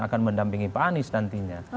akan mendampingi pak anies nantinya